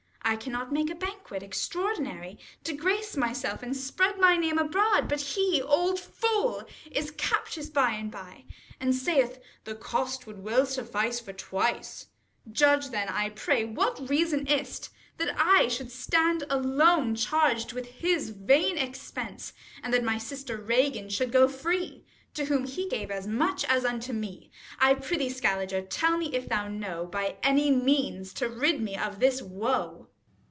I cannot make a banquet extraordinary, To grace myself, and spread my name abroad, But he, old fool, is captious by and by, 1 5 And saith, the cost would well suffice for twice. Judge then, I pray, what reason is't, that I Sc. H] HIS THREE DAUGHTERS 33 Should stand alone charg'd with his vain expense. And that my sister Ragan should go free, To whom he gave as much as unto me ? 20 I prithee, Skalliger, tell me, if thou know, By any means to rid me of this woe.